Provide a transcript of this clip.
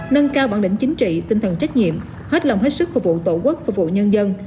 nâng cao bản lĩnh chính trị tinh thần trách nhiệm hết lòng hết sức phục vụ tổ quốc phục vụ nhân dân